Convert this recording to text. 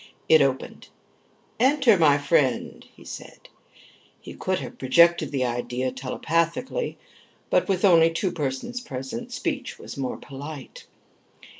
It opened. "Enter, my friend," he said. He could have projected the idea telepathically; but with only two persons present, speech was more polite.